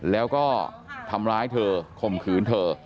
แล้วก็ทำร้ายเธอข่มขืนเธอ